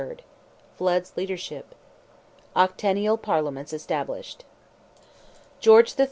—FLOOD'S LEADERSHIP—OCTENNIAL PARLIAMENTS ESTABLISHED. George III.